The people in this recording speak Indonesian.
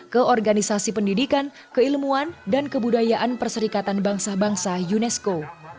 ke organisasi pendidikan keilmuan dan kebudayaan perserikatan bangsa bangsa unesco